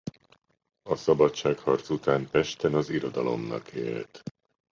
A szabadságharc után Pesten az irodalomnak élt.